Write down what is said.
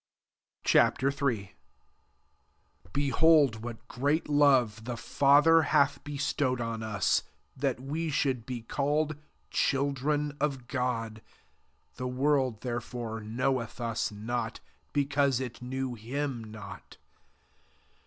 Ch. III. 1 Behold what great love the Father hath bestowed on us, that we should be called children of €rod.: the world therefor^ knoweth us not, be cause it knew him not.